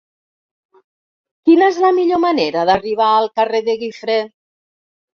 Quina és la millor manera d'arribar al carrer de Guifré?